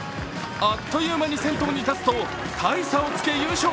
あっという間に先頭に立つと大差をつけ優勝。